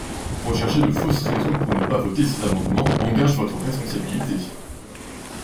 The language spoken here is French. Rechercher de fausses raisons pour ne pas voter ces amendements engage votre responsabilité.